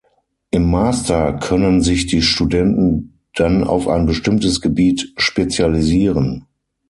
Im Master können sich die Studenten dann auf ein bestimmtes Gebiet spezialisieren.